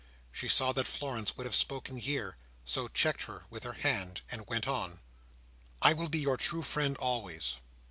She saw that Florence would have spoken here, so checked her with her hand, and went on. "I will be your true friend always.